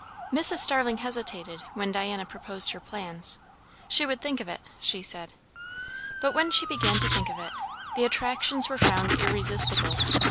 Mrs. Starling hesitated, when Diana proposed her plan; she would think of it, she said. But when she began to think of it, the attractions were found irresistible.